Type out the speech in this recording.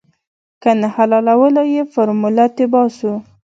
که نه حلالوو يې فارموله تې باسو.